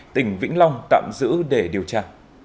tỉnh vĩnh long tạm giữ để điều tra